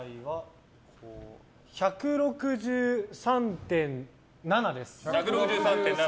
１６３．７です。